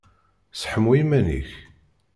Seḥmu iman-ik!